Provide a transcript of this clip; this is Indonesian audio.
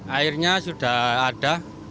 airnya sudah ada